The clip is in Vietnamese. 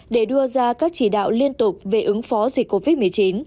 để đưa ra các chỉ đạo liên tục về ứng phó dịch covid một mươi chín